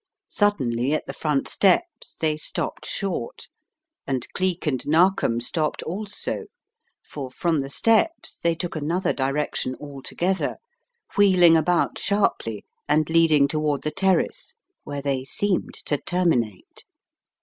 Suddenly at the front steps they stopped short, and Cleek and Narkom stopped also, for from the steps they took another direction altogether, wheeling about sharply and leading toward the terrace where they seemed to terminate.